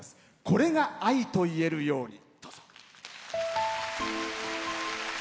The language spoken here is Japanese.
「これが愛と言えるように」。